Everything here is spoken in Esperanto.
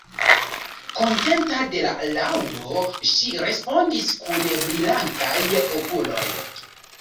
Kontenta de la laŭdo, ŝi respondis kun brilantaj okuloj: